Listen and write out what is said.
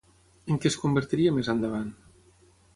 En què es convertiria més endavant?